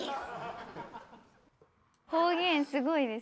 方言すごいですね。